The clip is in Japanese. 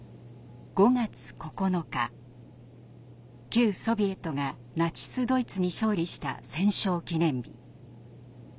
旧ソビエトがナチス・ドイツに勝利した戦勝記念日。